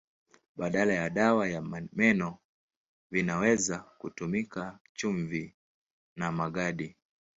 Badala ya dawa ya meno vinaweza kutumika chumvi na magadi.